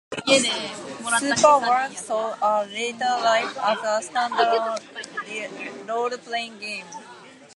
"Superworld" saw a later life as a standalone roleplaying game.